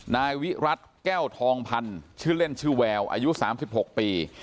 นายวิรัติแก้วทองพันธ์ชื่อเล่นชื่อแววอายุ๓๖ปี